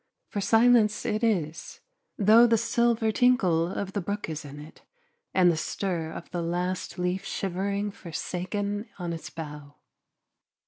For silence it is, though the silver tinkle of the brook is in it, and the stir of the last leaf shivering forsaken on its bough.